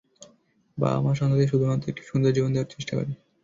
মা-বাবা সন্তানদের শুধুমাত্র একটি সুন্দর জীবন দেওয়ার চেষ্টা করে।